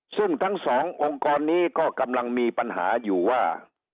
ซึ่งทั้งสององค์กรนี้ก็กำลังมีปัญหาอยู่ว่า